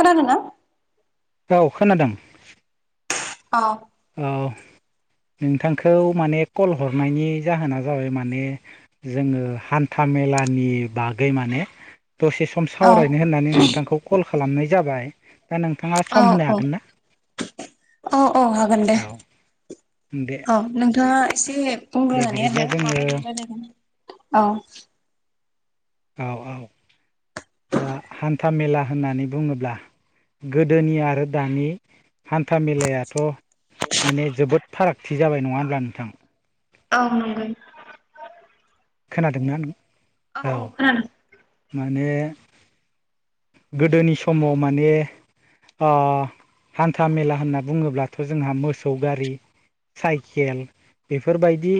खोनादों ना? औ खोनादों। औ। औ नोंथांखौ माने कल हरनायनि जाहोना जाबाय माने जोंङो हान्था मेलानि बागै माने दसे स सम औ सावरायनो होननानै नोंथांखौ कल खालामनाय जाबाय दा नोंथांङा सम होनो हागोन ना? अ औ हागोन दे। औ दे औ नोंथानङा एसे दे बुंंग्रा जानाय बिदिब्ला आरो जोङो माबायदि रायलायगोन। औ। औ औ। दा हान्था मेला होननानै बुङोब्ला गोदोनि आरो दानि हान्था मेलायाथ' माने जोबोद फारागथि जाबाय नङा होनब्ला नोंथां। औ नंगो। खोनादोंना औ औ खोनांदों माने गोदोनि समाव माने ओ हान्था मेला होनना बुंङोब्लाथ' जोंहा मोसौ गारि साइकेल बेफोरबायदि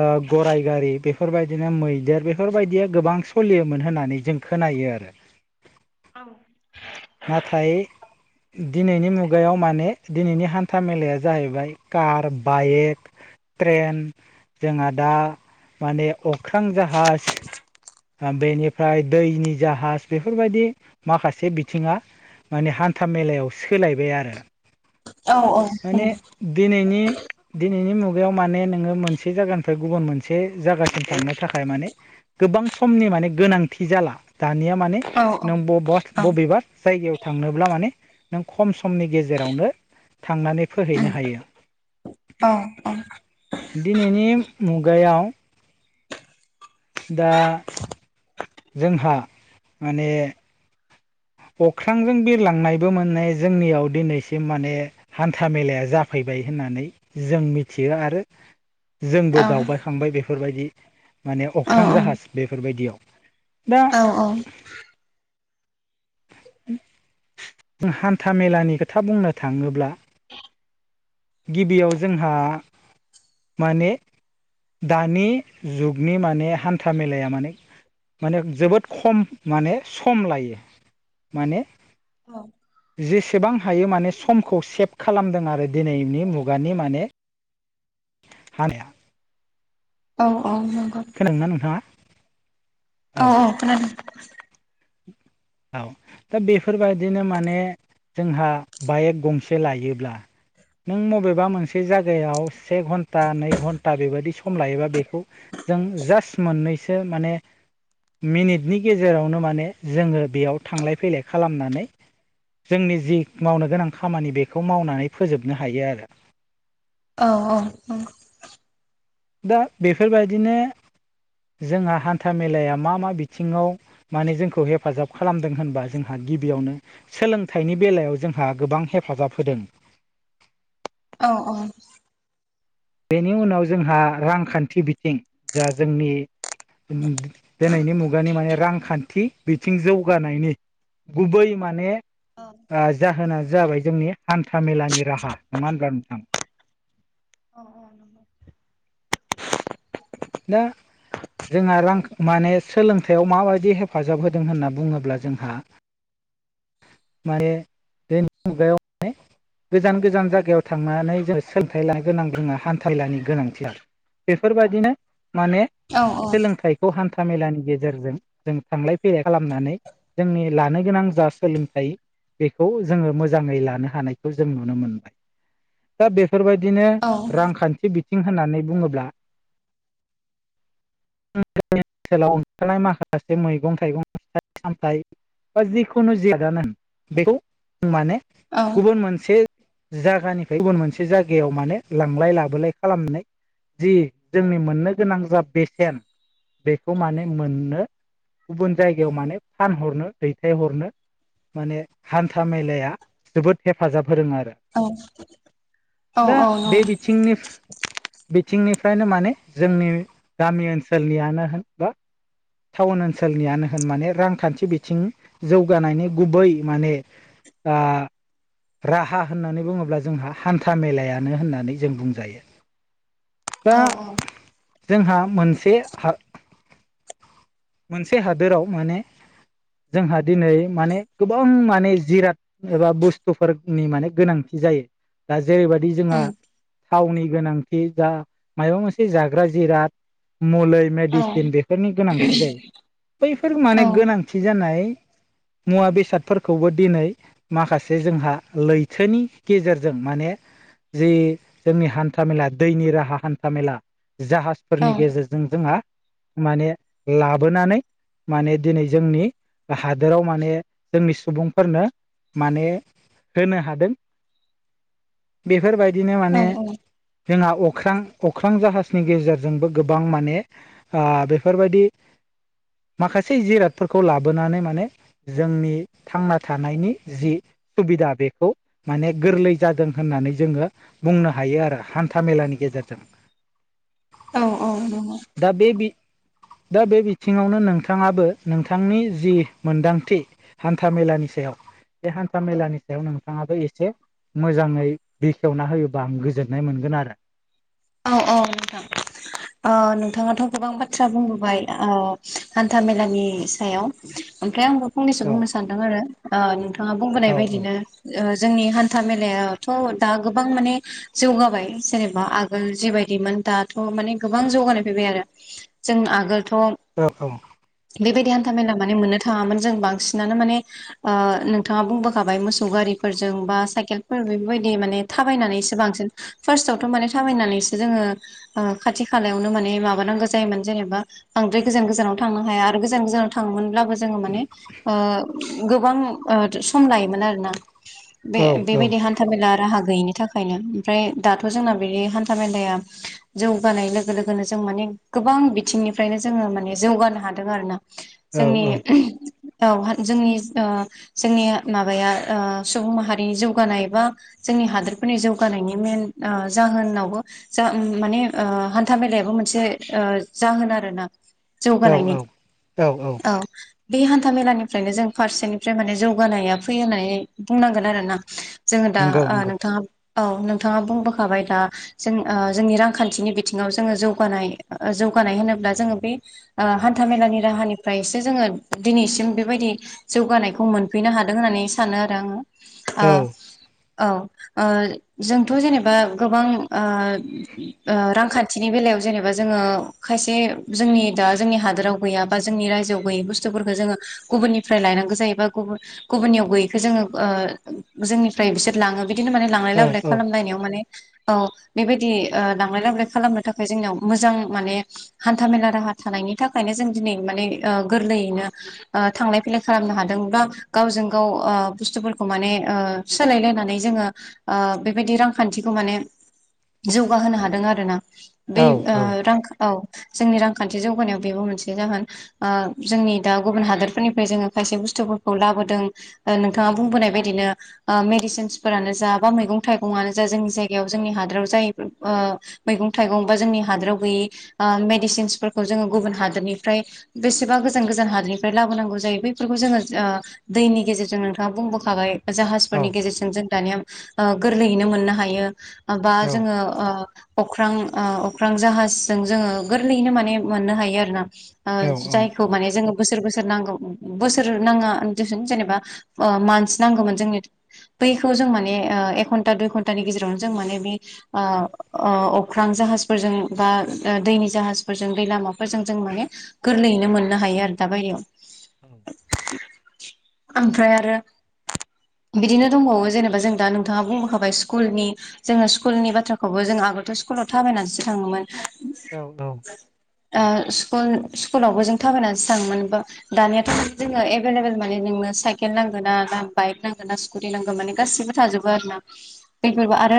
ओ गराय गारि बे बेफोरबायदिनो मैदेर बेफोरबायदिया गोबां सोलियोमोन होननानै जों खोनायो आरो औ नाथाय दिनैनि मुगायाव माने दिनैनि हान्था मेलाया जाहैबाय कार बाइक ट्रेन जोंहा दा माने अख्रां जाहाज ओ बेनिफ्राय दैनि जाहाज बेफोरबायाददि माखासे बिथिंङा माने हान्था मेलायाव सोलायबाय आरो औ औ माने दिनैनि दिनैनि मुगायाव माने नोंङो मोनसे जायगानिफ्राय गुबुन मोनसे जायगासिम थांनो थाखाय माने गोबां समनि माने गोनांथि जाला दानिया माने औ औ उम नों बबा औ बबेबा जायगायाव थांनोब्ला माने नों खम समनि गेजेरावनो थांनानै फोहैनो हायो। अ अ दिनैनि मुगायाव दा जोंहा माने अख्रांजों बिरलांनायबो माने जोंनियाव दिनैसिम माने हान्था मेलाया जाफैबाय होननानै जों मिथियो आरो जोंबो औ दावबाय खांबाय बेफोरबायदि माने अख्रां जाहाज बेफोरबायदियाव दा अ हान्था मेलानि खोथा बुंनो थाङोब्ला गिबियाव जोंहा माने दानि जुगनि माने हान्था मेलाया माने माने जोबोद खम माने सम लायो माने जेसेबां हायो माने समखौ सेभ खालामदों आरो दिनैनि मुगानि माने [inaudible] हानाया औ औ नंगौ। खोनादों ना नोंथाङा। औ औ खोनादों। औ। दा बेफोरबायदिनो माने जोंहा बाइक गंसे लायोब्ला नों बबेबा मोनसे जायगायाव से घन्टा नै घन्टा बेबायदि सम लायोबा बेखौ जों जास्ट मोननैसो माने मिनिटनि गेजेरावनो माने जोङो बेयाव थांलाय फैलाय खालामनानै जोंनि जि मावनो गोनां खामानि बेखौ मावनानै फोजोबनो हायो आरो। औ औ औ। दा बेफोरबायदिनो जोंहा हान्था मेलाया मा मा बिथिङाव माने जोंखौ हेफाजाब खालामदों होनबा जोंहा गिबियावनो सोलोंथाइनि बेलायाव जोंहा गोबां हेफाजाब होदों। अ अ। बेनि उनाव जोंहा रांखान्थि बिथिं जा जोंनि दिनैनि मुगानि माने रांखान्थि बिथिं जौगानायनि गुबै माने ओ जाहोना जाबाय जोंनि हान्था मेलानि राहा। नङा होनब्ला नोंथां? अ अ नंगौ। दा जोंहा रां माने सोलोंथाइयाव माबायदि हेफाजाब होदों होनना बुङोब्ला जोंहा [inaudible] माने बे मुगायावहाय गोजान गोजान जायगायाव थांनानै जोङो सोलोंथाइ लानो गोनां जोङो हान्थालानि गोनांथि आरो। बेफोरबायदिनो माने औ नंगौ औ उम औ औ सोलोंथाइ खौ हान्था मेलानि गेजेरजों जों थांलाय फैलाय खालामनानै जोंनि लानो गोनां जा सोलोंथाइ बेखौ जोङो मोजाङै लानो हानायखौ जों नुनो मोनबाय। दा बे फोरबायदिनो रांखान्थि बिथिं होननानै बुङोब्ला [unintelligible] ओनसोलाव ओंखारनाय माखासे मैगं थाइगं फिथाइ सामथाय बा जिखुनु [unintelligible] बेखौ माने गुबुन मोनसे जागानिफ्राय गुबुन मोनसे जायगायाव माने लांलाय लाबोलाय खालामनानै जि जोंनि मोननो गोनां जा बेसेन बेखौ माने मोननो गुबुन जायगायाव माने फानहरनो दैथायहरनो माने हान्था मेलाया जोबोद हेफाजाब होदों आरो। दा बे बिथिंनिफ बिथिंनिफ फ्रायनो माने जोंनि गामि ओनसोलनियानो होन बा टाउन ओनसोलनियानो होन माने रांखान्थि बिथिं जौगानायनि गुबै माने आ राहा होननानै बुङोब्ला जोंहा हान्था मेलायानो होननानै जों बुंजायो। दा जोंहा मोनसे हा मोनसे हादोराव माने जोंहा दिनै माने गोबां माने जिराद एबा बुस्थुफोरनि माने गोनांथि जायो। दा जेरैबायदि जोंहा थावनि गोनां थि दा मायबा मोनसे जाग्रा जिराद मुलै मेडिसिन बेफोरनि गोनां थि जायो। बैफोर माने गोनांथि जानाय मुवा बेसादफोरखौबो दिनै माखासे जोंहा लैथोनि गेजेरजों माने जि जोंनि हान्था मेला दैनि राहा हान्था मेला जाहाज फोरनि गेजेरजों जोंहा माने लाबोनानै माने दिनै जोंनि हादोराव माने जोंनि सुबुंफोरनो माने होनो हादों। [inaudible] बेफोरबायदिनो माने जोंहा अख्रां अख्रां जाहाजनि गेजेरजोंबो गोबां माने ओ बेफोरबायदि माखासे जिरादफोरखौ लाबोनानै माने जोंनि थांना थानायनि जि सुबिदा बेखौ माने गोरलै जादों होननानै जोङो बुंनो हायो आरो हान्था मेलानि गेजेरजों। औ औ नंगौ। दा बे बि दा बे बिथिङावनो नोंथाङाबो नोंथांनि जि मोनदांथि। हान्था मेलानि सायाव बे हान्था मेलानि औ सायाव नोंथाङाबो एसे मोजाङै बेखेवना होयोबा आं गोजोननाय मोनगोन आरो औ औ नोंथां। ओ नोंथाङाथ‌ गोबां बाथ्रा बुंबोबाय ओ हान्था मेलानि सायाव। ओमफ्राय आंबो फंनैसो औ बुंनो सानदों आरो ओ नोंथाङा औ बुंबोनाय बायदिनो। ओ जोंनि हान्था मेलायावथ दा गोबां माने जौगाबाय जेनेबा आग गोल जिबायदिमोन दाथ माने गोबां जौगानाय फैबाय आरो जों आगोलथ औ बेबायदि हान्था मेला माने मोननो थाङामोन जों बांसिनानो माने ओ नोंथाङा बुंबोखाबाय मोसौ गारिफोरजों बा साइकेलफोर बेफोरबायदि माने थाबायनानैसो बांसिन। फार्स्टआवथ माने थाबायनानैसो जोङो ओ खाथि खालायावनो माने माबानांगौ जायोमोन जेनेबा बांद्राय गोजान गोजानाव थांनो हाया आरो गोजान गोजानाव थांमोनब्लाबो जोङो माने ओ गोबां ओ सम लायोमोन आरो ना। बे औ बेबायदि हान्था मेला राहा गैयिनि थाखायनो ओमफ्राय दाथ जोंना बिदि हान्था मेलाया जौगानाय लोगो लोगोनो जों माने गोबां बिथिंनिफ्रायनो जोङो माने जौगानो हादों आरो ना। औ जोंनि औ औ हा जोंनि ओ जोंनि माबाया ओ सुबुं माहारिनि जौगानाय बा जोंनि हादोरफोरनि जौगानायनि मेन ओ जाहोनावबो जों ओ माने ओ हान्था मेलायाबो मोनसे ओ जाहोन आरो ना। औ जौगानायनि औ औ। बे हान्था मेलानिफ्रायनो जों फारसेनिफ्राय माने जौगानाया फैयो होननानै बुंनांगोन आरो ना। जोङो दा नंगौ ओ नंगौ नोंथाङा औ नोंथाङा बुंबोखाबाय दा जों ओ जोंनि रांखान्थिनि बिथिङाव जोङो जौगानाय जौगानाय होनोब्ला जोङो बे ओ हान्था मेलानि राहानिफ्रायसो जोङो दिनैसिम बेबायदि जौगानायखौ मोनफैनो हादों होननानै सानो आरो आङो। औ ओ औ ओ जोंथ जेनेब ओ बा गोबां ओ ओ रांखान्थिनि बेलायाव जेनेबा जोङो खायसे जोंनि दा जोंनि हादोराव गैया बा जोंनि रायजोआव गैयै बुस्थुफोरखौ जोङो गुबुननिफ्राय लायनांगौ जायोबा गुबुन गुबुननियाव गैयैखो जोङो ओ जोंनिफ्राय बिसोर लाङो बिदिनो माने लांलाय औ लाबोलाय औ खालामलायनायाव माने औ बेबायदि ओ लांलाय लांलाय खालामनो थाखाय जोंनियाव मोजां माने हान्था मेला राहा थानायनि थाखायनो जों दिनै माने ओ गोरलैयैनो ओ थांलाय फैलाय खालामनो हादों बा गावजों गाव ओ बुस्थुफोरखौ माने ओ‌ सोलायलायनो होन्नानै जोङो ओ बेबायदि रांखान्थि खौ माने जौगाहोनो हादों आरोना बे औ ओ रां औ जोंनि रांखान्थि जौगानायाव बेबो मोनसे जाहोन। ओ जोंनि दा गुबुन हादोरफोरनिफ्राय जोङो खायसे बुस्थुफोरखौ लाबोदों। ओ नोंथाङा बुंबोनाय बायदिनो ओ मेडिसिनसफोरानो जा बा मैगं थाइगंनो जा जोंनि जायगायाव जोंनि हादोराव जाय ओ मैगं थाइगं बा जोंनि हादोराव गैयै ओ मेडिसिनसफोरखौ जोङो गुबुन हादोरनिफ्राय बेसेबा गोजान गोजान हादनिफ्राय लाबोनांगौ जायो बैफोरखौ जोङो ओ दैनि गेजेरजों नोंथाङा बुंबोखाबाय। औ जाहाजफोरनि गेजेरजों जों ओ दानिया गोरलैयैनो मोननो हायो। बा जोङो ओ अख्रां ओ अख्रां जाहाजजों जोङो गोरलैयैनो माने मोननो हायो आरोना। ओ औ जायखौ माने जोङो बोसोर बोसोर नांगौ बोसोर नाङा जेनेबा मास नांगौमोन जोंनो बैखौ जों माने ओ एक घन्टा दुइ घन्टानि गेजेरावनो जों माने बे ओ अ अख्रां जाहाजफोरजों बा दैनि जाहाजफोरजों दै लामाफोरजों जों माने गोरलैयैनो मोननो हायो आरो दा बायदियाव औ। ओमफ्राय आरो बिदिनो दंबावो जेनेबा जों दा नोंथाङा बुंबोखाबाय स्कुलनि जोङो स्कुलनि बाथ्राखौबो जों आगोलथ स्कुलाव थाबायनानैसो थाङोमोन। औ औ। ओ‌ स्कुल स्कुलावबो जों थाबायनानैसो थाङो मोनबो दानियाथ' जोङो एभेलेबल माने नोंनो साइकेल नांगोन ना ना बाइक नांगोन ना दै नांगौ माने गासिबो थाजोबबो आरो ना फोरबो आरो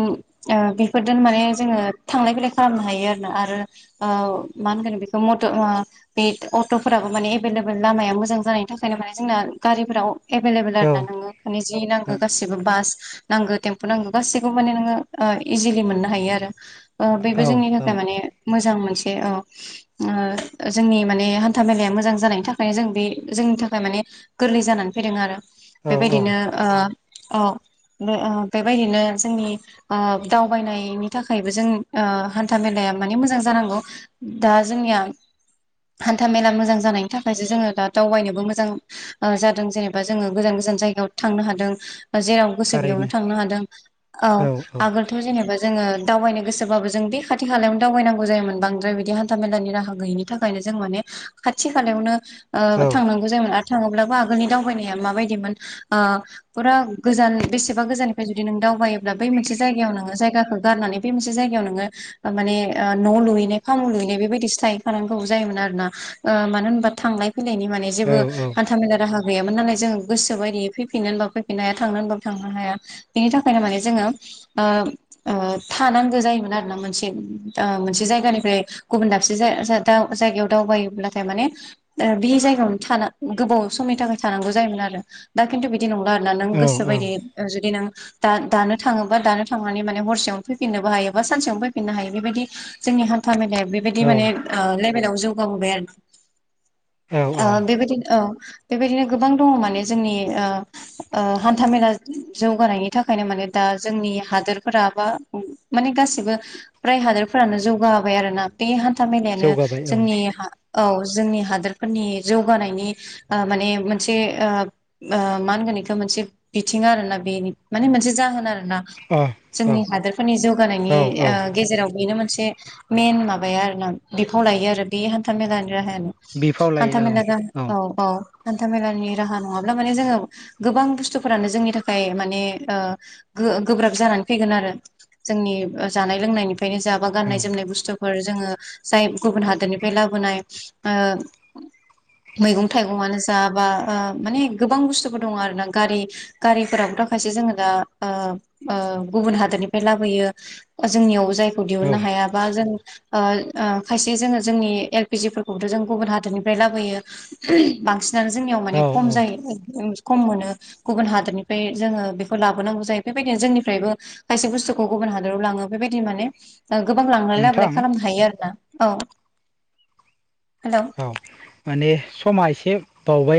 ओम ओ बेफोरजों माने जोङो थांलाय फैलाय खालामनो हायो आरोना आरो औ मा होनगोन बेखौ मथ आ बे अट फोराबो माने एभेलेबेल लामाया मोजां जानायनि थाखायनो माने जोंना गारिफोराव एभेलेबल आर ना नोङो माने जि नांगौ गासिबो बास नांगौे थेम नांगौ गासैखौबो माने नोङो ओ इजिलि मोननो हायो आरो। ओ‌ बेबो औ जोंनि थाखाय औ माने मोजां मोनसे औ। ओ जोंनि माने हान्था मेलाया मोजां जानायनि थाखायनो जों बे जोंनि थाखाय माने गोरलै जानानै फैदों आरो। बे औ बायदिनो औ ओ औ बे ओ बे बायदिनो जोंनि ओ दावबायनायनि थाखायबो जों ओ हान्था मेलाया माने मोजां जानांगौ। दा जोंनिया हान्था मेला मोजां जानायनि थाखायसो जोङो दा दावबायनोबो मोजां ओ जादों जेनेबा जोङो गोजान गोजान जायगायाव थांनो हादों। जेराव गोसो बेयावनो थारैनो थांनो हादों। औ आगोल थ जेनेबा जोङो दावबायनो गोसोबाबो जों बे खाथि खाालायावनो दावबायनौ जायोमोन। बांद्राय बिदि हान्था मेलानि राहा गैयिनि थाखायनो जों माने खाथि खालायावनो ओ औ थांनांगौ जों थाङोब्ला मा आगोलनि दावबायनाया माबादिमोन आ फुरा गोजान एबा गोजाननिफ्राय जुदि नों दावायोब्ला बै मोनसे जायगायाव नोङो जायगाखौ गारनानै बै मोनसे जायगायाव नोङो माने न' लुयैनाय खाम लुयैनाय बेबायदिसो थायैखानांगौ जायोमोन आरोना। मानो होनबा थांलाय फैलायनि माने औ जेबो हान्था मेला राहा गैामोन नालाय जों गोसो बायदि फैफिननो होनबाबो फैफिननो हाया, थांनो होनबाबो थां हाया। बिनि थाखायनो माने जोङो ओ थानांगौ जायोमोन आरोना। ओ मोनसे मोनसे जायगानिफ्राय गुबुन दाबसे जायगायाव दावबायोब्लाथाय माने बि जायगायावनो थाना गोबाव समनि थाखाय थानांगौ जायोमोन आरो। दा खिन्थु बि बिदि नंला आरोना नों गोसो औ बायदि जुदि नों दा दानो थाङोबा दानो थांनानै माने हरसेयावनो फैफिननोबो हायो बा सानसेयावनो फैफिननो हायो। बे बायदि जोंनि हान्था मेलाया बे बायदि औ माने लेबेलाव जौगाबोबाय आरो। ओ बे बायदिनो ओ बेबायदिनो गोबां दङ माने जोंनि ओ ओ हान्थामेला जौगानायनि थाखायनो माने दा जोंनि हादोरफोरा बा माने गासिबो फ्राय हादोरफोरानो जौगाबाबाय आरोना। बे हान्था मेलायानो जौगाबाय औ जोंनि औ जोंनि हादोरफोरनि जौगानायनि माने मोनसे ओ मा होनगोन बिखौ मोनसे बिथिं आरोना बेनि माने मोनसे जाहोन आरोना। अ औ जोंनि हादोरफोरनि औ जौगानायनि ओ औ गेजेराव बेनो मोनसे मेन माबाया आरोना बेखौ लायो आरो बे हान्था मेलानि राहायानो। हानथामेला दा औ औ हान्था मेलानि राहा नंङाब्ला माने जोंङो गोबां बुस्थु फोरानो जोंनि थाखाय माने ओ गो गोब्राब जानानै फैगोन आरो जोंनि जानाय लोंनायनिफ्रायनो जाबा औ गाननाय जोमनाय बुस्थु फोर जोंङो जाय गुबुन हादोरनिफ्राय लाबोनाय ओ मैगं थाइगंङानो जा बा ओ माने गोबां बुस्थुफोर दंङ' आरो ना गारि गारिफोराबो दा खायसो जोंङो दा ओ ओ गुबुन हादरनिफ्राय लाबोयो जोंनियावबो जायखौ औ दिहुननो हाया बा जों ओ ओ खायसे जोंङो जोंनि एलपिजिफोरखौथ' जों गुबुन हादरनिफ्राय लाबोयो बांसिनानो जोंनियाव औ माने खम औ जायो खम मोनो गुबुन हादोरनिफ्राय जोङो बेंखौ लाबोनांगौ जायो बेबायदिनो जोंनिफ्रायबो खायसे बुस्थुखौ गुबुन हादराव लांङो बेबायदि माने गोबां लांलाय लाबोलाय नोंथां खालामनो हायो आरोना औ हेल' औ माने समा एसे बावबाय ना